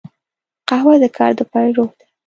قهوه د کار د پیل روح ده